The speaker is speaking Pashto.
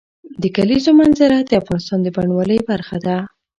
د کلیزو منظره د افغانستان د بڼوالۍ برخه ده.